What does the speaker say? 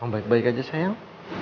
baik baik aja sayang